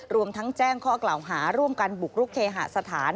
รวมทั้งแจ้งข้อกล่าวหาร่วมกันบุกรุกเคหสถาน